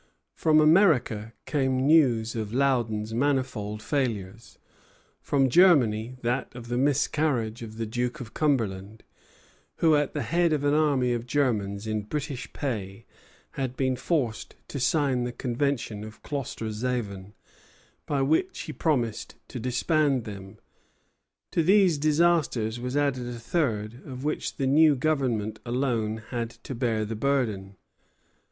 From America came news of Loudon's manifold failures; from Germany that of the miscarriage of the Duke of Cumberland, who, at the head of an army of Germans in British pay, had been forced to sign the convention of Kloster Zeven, by which he promised to disband them. To these disasters was added a third, of which the new Government alone had to bear the burden.